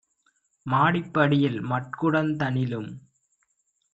மாடிப் படியில் மட்குடந் தனிலும்